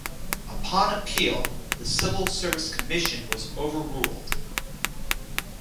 Upon appeal, the Civil Service Commission was overruled.